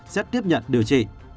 sẽ tiếp nhận điều trị